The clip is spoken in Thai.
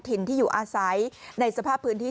ถิ่นที่อยู่อาศัยในสภาพพื้นที่